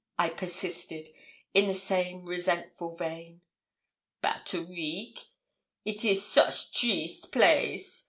I persisted, in the same resentful vein. ''Bout a week. It is soche triste place!